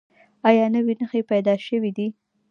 ایا نوي نښې پیدا شوي دي؟